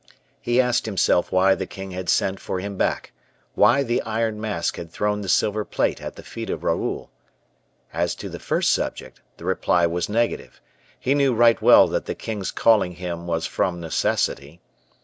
He asked himself why the king had sent for him back; why the Iron Mask had thrown the silver plate at the feet of Raoul. As to the first subject, the reply was negative; he knew right well that the king's calling him was from necessity.